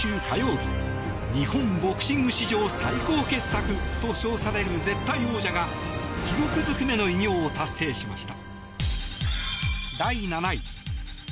日本ボクシング史上最高傑作と称される絶対王者が記録ずくめの偉業を達成しました。